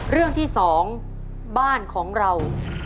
เรื่องที่๒บ้านของเรา